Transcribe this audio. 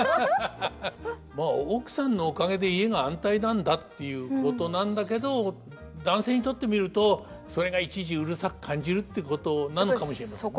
まあ奥さんのおかげで家が安泰なんだっていうことなんだけど男性にとってみるとそれがいちいちうるさく感じるってことなのかもしれませんね。